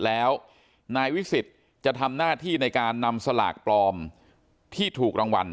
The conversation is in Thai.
แล้วนายวิสิทธิ์จะทำหน้าที่ในการนำสลากปลอมที่ถูกรางวัล